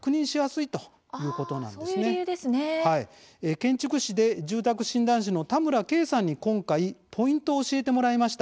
建築士で住宅診断士の田村啓さんに、今回ポイントを教えてもいました。